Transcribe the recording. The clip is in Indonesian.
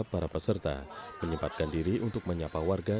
para peserta menyempatkan diri untuk menyapa warga